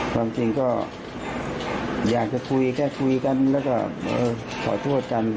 ความจริงก็อยากจะคุยแค่คุยกันแล้วก็ขอโทษกัน